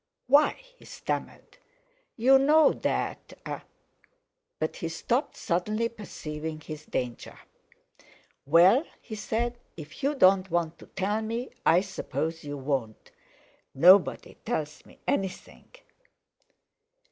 "Why!" he stammered, "you know that...." but he stopped, suddenly perceiving his danger. "Well," he said, "if you don't want to tell me I suppose you won't! Nobody tells me anything."